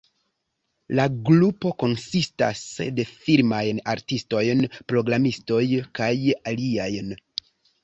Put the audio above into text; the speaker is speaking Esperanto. La grupo konsistas de filmajn artistojn, programistoj, kaj aliajn.